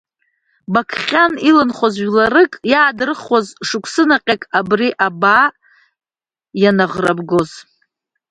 Бақьҟан иаланхоз жәларак иаадрыхуаз шықәс наҟьак, абри абаа ианаӷрабгоз.